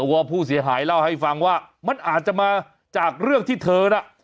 ว่าผู้เสียหายเล่าให้ฟังว่ามันอาจจะมาจากเรื่องที่เธอน่ะ